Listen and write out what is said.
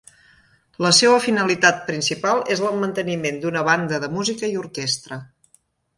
La seua finalitat principal és el manteniment d'una Banda de música i Orquestra.